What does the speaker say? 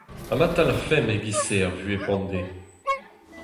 Ha ma talc'hfemp e-giz-se er vuhez pemdez ?